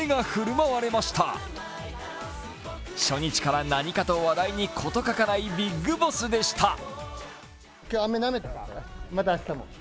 初日から何かと話題に事欠かないビッグボスでした。